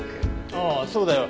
ああそうだよ。